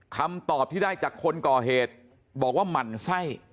คำตอบที่ได้จากคนก่อเหตุบอกว่าหมั่นไส้